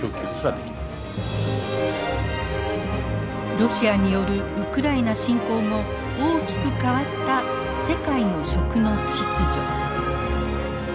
ロシアによるウクライナ侵攻後大きく変わった世界の「食」の秩序。